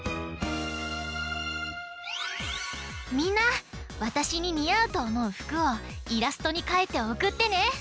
みんなわたしににあうとおもうふくをイラストにかいておくってね。